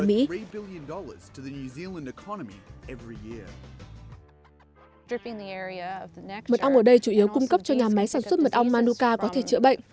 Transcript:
mật ong ở đây chủ yếu cung cấp cho nhà máy sản xuất mật ong manuca có thể chữa bệnh